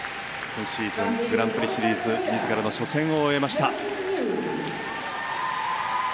今シーズン、グランプリシリーズ自らの初戦を終えました。